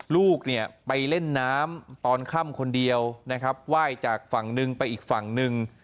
ลูกเนี่ยไปเล่นน้ำตอนค่ำคนเดียวนะครับไหว้จากฝั่งหนึ่งไปอีกฝั่งหนึ่ง